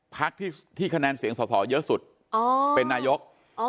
พักที่คะแนนเสียงสอสอเยอะสุดเป็นนายก